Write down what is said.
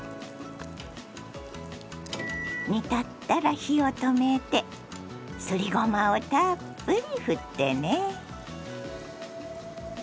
煮立ったら火を止めてすりごまをたっぷりふってね。